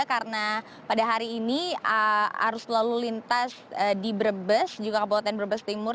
karena pada hari ini arus lalu lintas di brebes juga kabupaten brebes timur